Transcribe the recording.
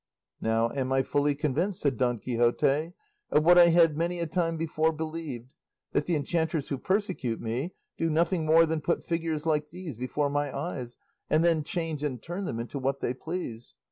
"Now am I fully convinced," said Don Quixote, "of what I had many a time before believed; that the enchanters who persecute me do nothing more than put figures like these before my eyes, and then change and turn them into what they please.